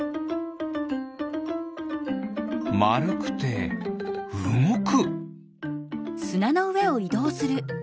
まるくてうごく。